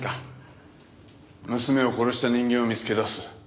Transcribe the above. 娘を殺した人間を見つけ出す。